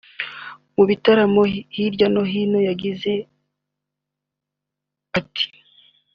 mu bitaramo hirya no hino ku isi yagize ati